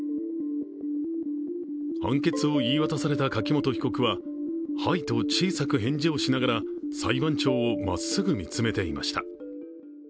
判決を言い渡された柿本被告ははいと小さく返事をしながら裁判長をまっすぐ見つめていました。